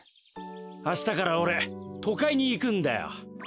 あしたからおれとかいにいくんだよ。